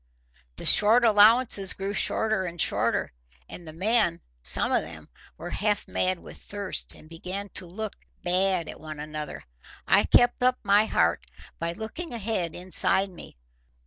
The short allowance grew shorter and shorter, and the men, some of them, were half mad with thirst, and began to look bad at one another. I kept up my heart by looking ahead inside me.